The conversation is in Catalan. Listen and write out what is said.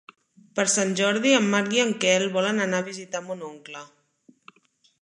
Per Sant Jordi en Marc i en Quel volen anar a visitar mon oncle.